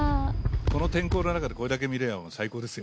この天候のなかでこれだけ見られるのは最高ですよ。